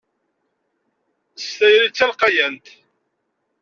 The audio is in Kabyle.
S tayri d talqayant.